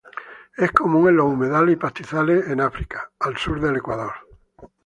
Es común en los humedales y pastizales en África, al sur del Ecuador.